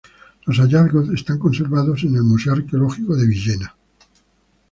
Los hallazgos están conservados en el Museo Arqueológico de Villena.